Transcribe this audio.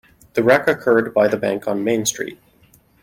The wreck occurred by the bank on Main Street.